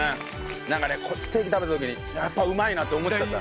なんかねステーキ食べた時にやっぱうまいなって思っちゃった。